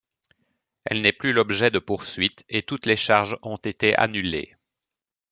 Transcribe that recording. Elle n'est plus l'objet de poursuites et toutes les charges ont été annulées.